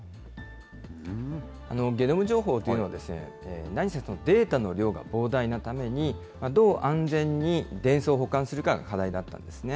ゲノム情報というのは、何せデータの量が膨大なために、どう安全に伝送、保管するかが課題だったんですね。